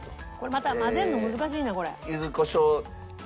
また混ぜるの難しいなこれ。